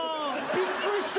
びっくりした！